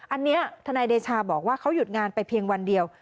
อันนี้ทนายเดชาบอกว่าเขาหยุดงานไปเพียงวันเดียว